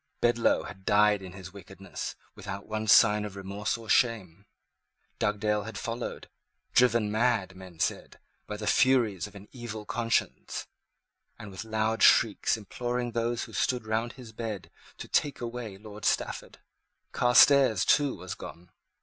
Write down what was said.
Bedloe had died in his wickedness, without one sign of remorse or shame. Dugdale had followed, driven mad, men said, by the Furies of an evil conscience, and with loud shrieks imploring those who stood round his bed to take away Lord Stafford. Carstairs, too, was gone.